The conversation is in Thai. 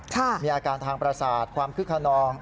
มีอาการทางประสาทความคึกขนอง